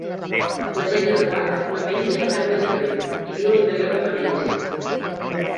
La gent de Ruach no menja ni beu més que vent, i viu a l'interior de penells.